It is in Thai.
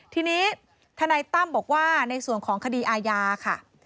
ทีนี้ทนายตั้มบอกว่าในส่วนของคดีอาญาค่ะ